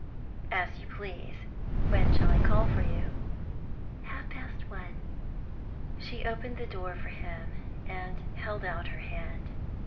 "As you please. When shall I call for you?" "Half past one." She opened the door for him, and held out her hand.